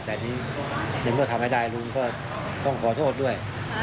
แต่ทีนี้ในเมื่อทำให้ได้ลุงก็ต้องขอโทษด้วย